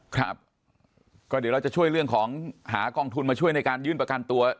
ครับก็เดี๋ยวเราจะช่วยเรื่องของหากองทุนมาช่วยในการยื่นประกันตัว